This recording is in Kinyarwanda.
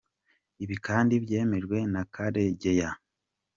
Ibi kandi byemejwe na Karegeya J.